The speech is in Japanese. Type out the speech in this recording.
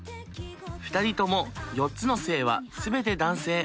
２人とも４つの性は全て男性。